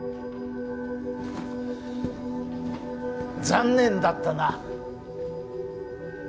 残念だったな。